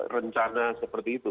rencana seperti itu